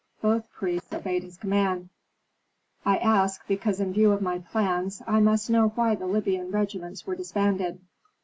Both priests obeyed his command. "I ask because in view of my plans I must know why the Libyan regiments were disbanded."